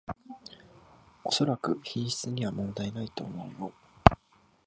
おそらく品質には問題ないと思うよ